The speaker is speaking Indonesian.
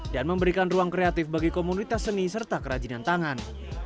dan memberikan ruang kreatif bagi komunitas seni serta kerajinan tangan